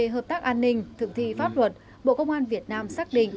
hợp tác an ninh thực thi pháp luật bộ công an việt nam xác định